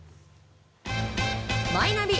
マイナビ